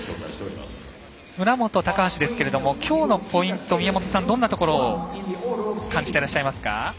村元、高橋ですけどもきょうのポイント宮本さんはどんなところを感じてらっしゃいますか。